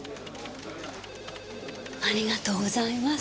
ありがとうございます。